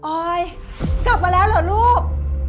ออยกลับมาแล้วเหรอลูก